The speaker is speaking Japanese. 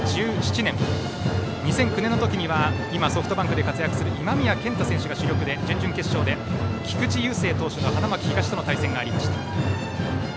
２００９年の時には今、ソフトバンクで活躍する今宮健太選手が主力で準々決勝で菊池雄星投手の花巻東との対戦がありました。